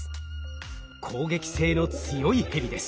攻撃性の強いヘビです。